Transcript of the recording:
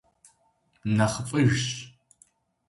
НэхъыфӀыжщ!